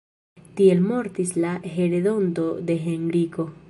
Tiel mortis la heredonto de Henriko.